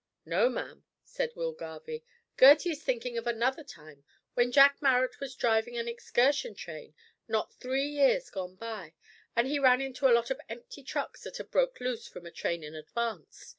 "No, ma'am," said Will Garvie, "Gertie is thinkin' of another time, when Jack Marrot was drivin' an excursion train not three years gone by, and he ran into a lot of empty trucks that had broke loose from a train in advance.